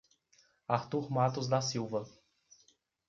Arthur Matos da Silva